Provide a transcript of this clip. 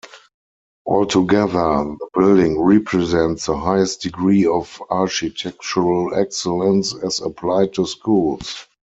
Altogether the building represents the highest degree of architectural excellence as applied to schools.